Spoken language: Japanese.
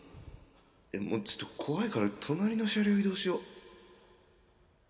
ちょっと怖いから隣の車両移動しよう